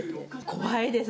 怖いです。